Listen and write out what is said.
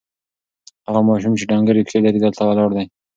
هغه ماشوم چې ډنګرې پښې لري، دلته ولاړ دی.